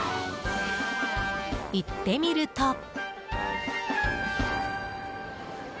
行ってみると。